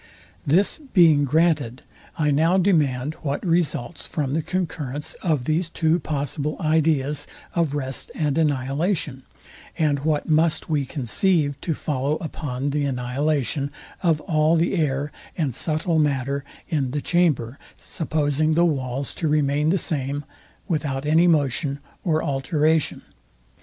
This being granted, I now demand what results from the concurrence of these two possible ideas of rest and annihilation, and what must we conceive to follow upon the annihilation of all the air and subtile matter in the chamber, supposing the walls to remain the same, without any motion or alteration?